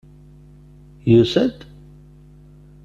Yusa-d?